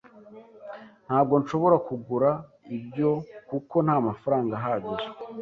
Ntabwo nshobora kugura ibyo, kuko ntamafaranga ahagije.